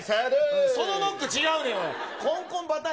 そのノックちゃうやん。